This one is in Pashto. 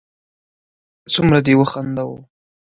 څومره دې و خنداوه